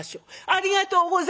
「ありがとうございます！」。